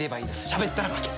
しゃべったら負け。